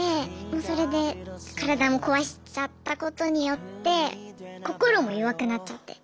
それで体も壊しちゃったことによって心も弱くなっちゃって。